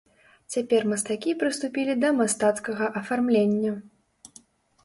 Цяпер мастакі прыступілі да мастацкага афармлення.